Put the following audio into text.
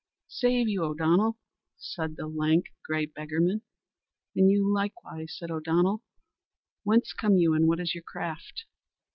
"Save you, O'Donnell," said the lank, grey beggarman. "And you likewise," said O'Donnell. "Whence come you, and what is your craft?"